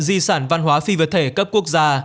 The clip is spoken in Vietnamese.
di sản văn hóa phi vật thể cấp quốc gia